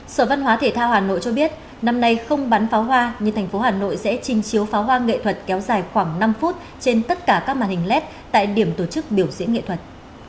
sở văn hóa thể thao hà nội cho biết năm nay không bắn pháo hoa nhưng thành phố hà nội sẽ trình chiếu phá hoa nghệ thuật kéo dài khoảng năm phút trên tất cả các màn hình led tại điểm tổ chức biểu diễn nghệ thuật